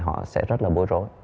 họ sẽ rất là bối rối